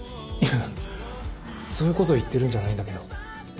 いやそういうことを言ってるんじゃないんだけど。